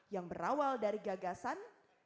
yang berawal dari gagasan